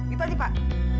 itu aja pak